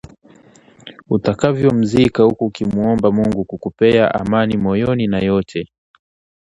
utakvyomzika, huku ukimuomba Mungu kukupea amani moyoni na yote